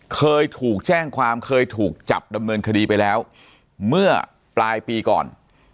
เคยถูกแจ้งความเคยถูกจับดำเนินคดีไปแล้วเมื่อปลายปีก่อน